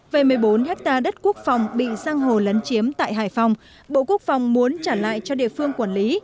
về một mươi bốn hectare đất quốc phòng bị giang hồ lấn chiếm tại hải phòng bộ quốc phòng muốn trả lại cho địa phương quản lý